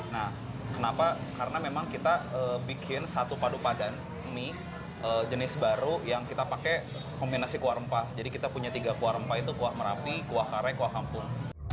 nah kenapa karena memang kita bikin satu padu padan mie jenis baru yang kita pakai kombinasi kuah rempah jadi kita punya tiga kuah rempah itu kuah merapi kuah kare kuah kampung